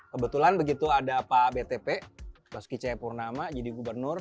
kebetulan begitu ada pak btp basuki c purnama jadi gubernur